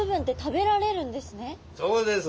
そうです。